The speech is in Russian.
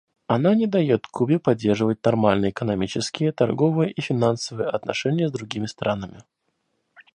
Она не дает Кубе поддерживать нормальные экономические, торговые и финансовые отношения с другими странами.